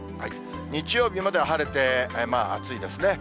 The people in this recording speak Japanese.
日曜日までは晴れて暑いですね。